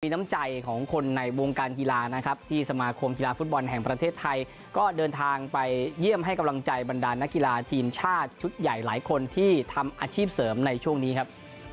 น้ำใจของคนในวงการกีฬานะครับที่สมาคมกีฬาฟุตบอลแห่งประเทศไทยก็เดินทางไปเยี่ยมให้กำลังใจบรรดานนักกีฬาทีมชาติชุดใหญ่หลายคนที่ทำอาชีพเสริมในช่วงนี้ครับ